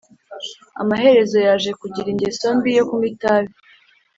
amaherezo yaje kugira ingeso mbi yo kunywa itabi.